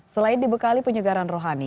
selain dibekali penyegaran rohani